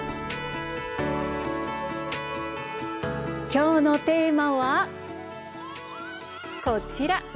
今日のテーマは、こちら。